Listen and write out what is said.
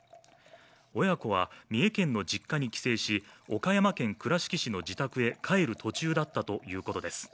親子は三重県の実家に帰省し岡山県倉敷市の自宅に帰る途中だったということです。